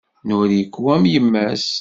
Noriko am yemma-s.